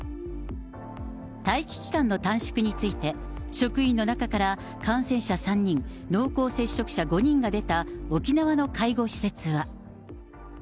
待機期間の短縮について、職員の中から感染者３人、濃厚接触者５人が出た沖縄の介護施設は。